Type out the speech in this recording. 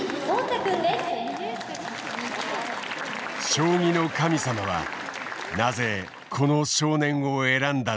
将棋の神様はなぜこの少年を選んだのだろうか。